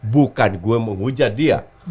bukan gue menghujat dia